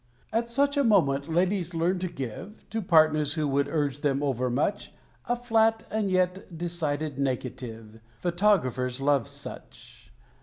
At such a moment ladies learn to give, To partners who would urge them over much, A flat and yet decided negative Photographers love such.